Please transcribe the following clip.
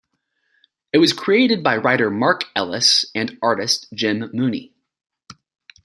It was created by writer Mark Ellis and artist Jim Mooney.